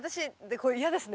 これ嫌ですね